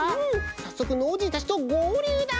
さっそくノージーたちとごうりゅうだ！